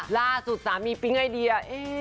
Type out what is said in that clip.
ล่าสุดสามีปิ๊งไอเดีย